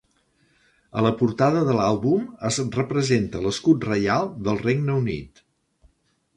A la portada de l'àlbum es representa l'escut reial del Regne Unit.